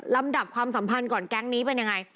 ลำดับความสัมพันธ์ก่อนแก๊งนี้เป็นยังไง